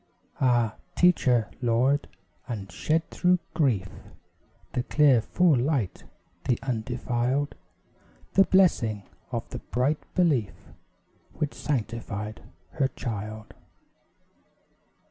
Ah, teach her, Lord! And shed through grief The clear full light, the undefiled, The blessing of the bright belief Which sanctified her child.